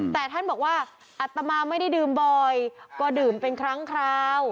แต่ท่านบอกว่าอัตมาไม่ได้ดื่มบ่อยก็ดื่มเป็นครั้งคราว